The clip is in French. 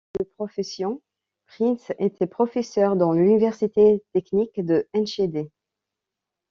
De profession, Prins était professeur dans l'université technique de Enschede.